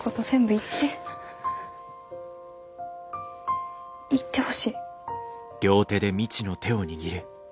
言ってほしい。